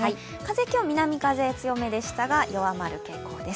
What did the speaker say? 今日は南風強めでしたが、弱まる傾向です。